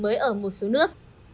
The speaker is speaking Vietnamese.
mới ở một số nước